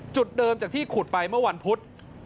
จุดเดิมจากที่ขุดไปเมื่อวันพุธ